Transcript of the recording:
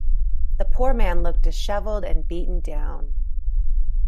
The poor man looked dishevelled and beaten down.